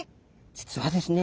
実はですね